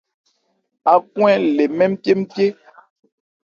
Ákwɛ́n le nmɛ́n pyépyé.